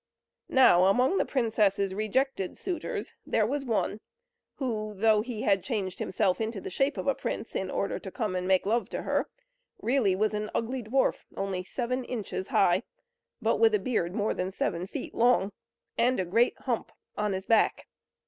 Now among the princess's rejected suitors there was one, who though he had changed himself into the shape of a prince, in order to come to court and make love to her, really was an ugly dwarf, only seven inches high, but with a beard more than seven feet long, and a great hump on his back.